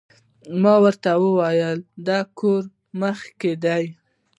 ما ورته ووې د کور مخ کښې دې